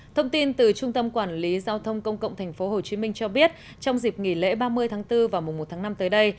thông tin từ trung tâm quản lý giao thông công cộng tp hcm cho biết trong dịp nghỉ lễ ba mươi tháng bốn và mùa một tháng năm tới đây